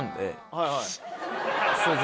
はい。